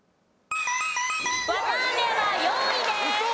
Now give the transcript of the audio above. わたあめは４位です。